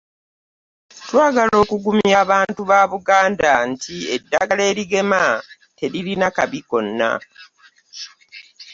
Twagala okugumya abantu ba Buganda nti eddagala erigema teririna kabi konna.